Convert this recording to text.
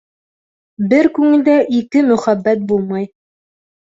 Бер күңелдә ике мөхәббәт булмай.